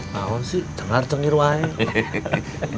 mau sih jangan cengir cengir woy